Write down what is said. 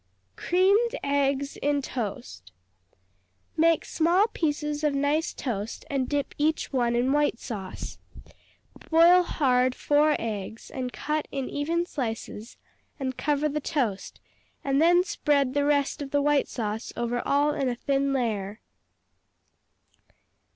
Creamed Eggs in Toast Make small pieces of nice toast and dip each one in white sauce. Boil hard four eggs, and cut in even slices and cover the toast, and then spread the rest of the white sauce over all in a thin layer.